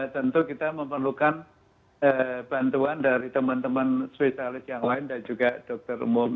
tentu kita memerlukan bantuan dari teman teman spesialis yang lain dan juga dokter umum